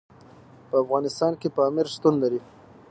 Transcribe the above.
په افغانستان کې پامیر شتون لري.